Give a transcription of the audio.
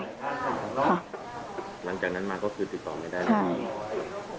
หลังจากนั้นมาก็คือติดต่อไม่ได้